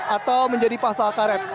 atau menjadi pasal karet